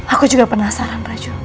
aku juga penasaran raju